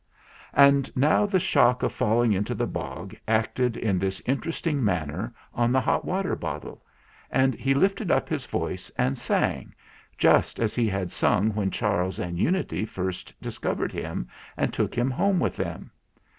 And now the shock of falling into the bog acted in this interesting manner on the hot water bottle, and he lifted up his voice and sang, just as he had sung when Charles and Unity first discovered him and took him home with them.